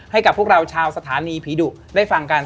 ให้กับพวกเราชาวสถานีผีดุได้ฟังกัน